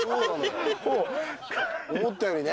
思ったよりね。